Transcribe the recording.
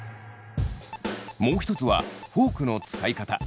もう一つはフォークの使い方。